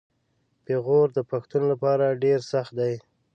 پېغور د پښتون لپاره ډیر سخت دی.